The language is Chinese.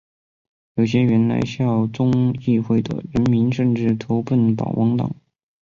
有些原来效忠议会的人民甚至投奔保王党。